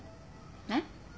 えっ？